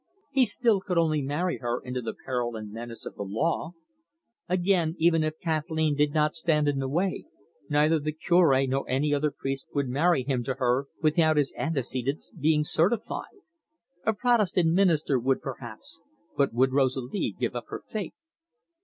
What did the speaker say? He still could only marry her into the peril and menace of the law? Again, even if Kathleen did not stand in the way, neither the Cure nor any other priest would marry him to her without his antecedents being certified. A Protestant minister would, perhaps, but would Rosalie give up her faith?